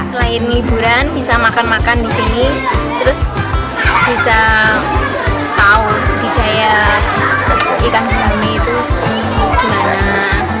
selain liburan bisa makan makan di sini terus bisa tahu di daya ikan gumi itu gimana